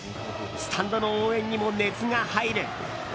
スタンドの応援にも熱が入る。